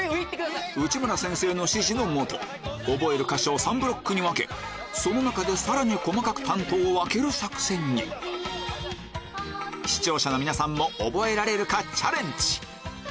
内村先生の指示の下覚える箇所を３ブロックに分けその中でさらに細かく担当を分ける作戦に視聴者の皆さんも覚えられるかチャレンジ